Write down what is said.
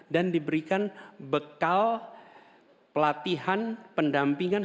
dan diberikan bekal pelatihan pendampingan